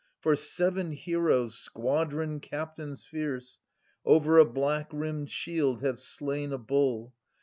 For seven heroes, squadron captains fierce. Over a black rin^med shield have slain a bull.